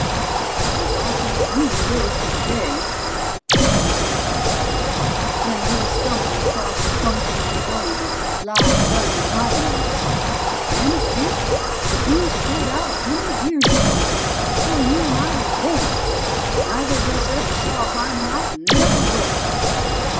"And I think you live for the day," Farrell said acidly, "when we'll stumble across a functioning dome of live, buzzing Hymenops. Damn it, Gib, the Bees pulled out a hundred years ago, before you and I were born neither of us ever saw a Hymenop, and never will!"